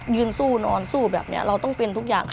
ยืนสู้นอนสู้แบบนี้เราต้องเป็นทุกอย่าง